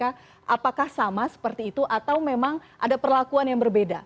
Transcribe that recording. apakah sama seperti itu atau memang ada perlakuan yang berbeda